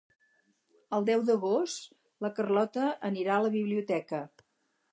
El deu d'agost na Carlota anirà a la biblioteca.